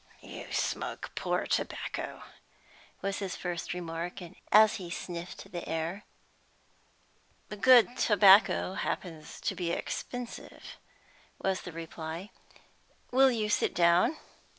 "You smoke poor tobacco," was his first remark, as he sniffed the air. "Good tobacco happens to be expensive," was the reply. "Will you sit down?"